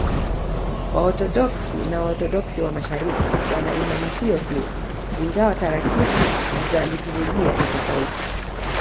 Waorthodoksi na Waorthodoksi wa Mashariki wana imani hiyohiyo, ingawa taratibu za liturujia ni tofauti.